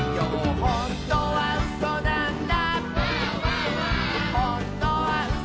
「ほんとにうそなんだ」